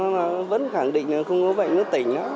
nó vẫn khẳng định là nó không có bệnh nó tỉnh